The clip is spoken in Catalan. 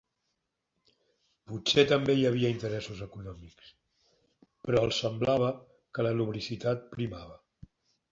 Potser també hi havia interessos econòmics, però els semblava que la lubricitat primava.